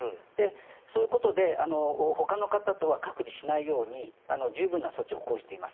そういうことで他の方とは隔離しないように十分な措置を講じています。